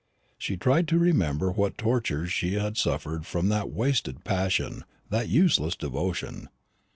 She tried to remember what tortures she had suffered from that wasted passion, that useless devotion.